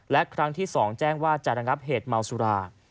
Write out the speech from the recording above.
และครั้งที่๒แจ้งว่าจะระงับเหตุเมาสุรา